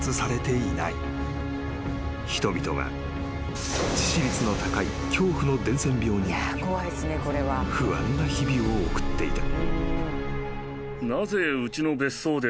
［人々は致死率の高い恐怖の伝染病に不安な日々を送っていた］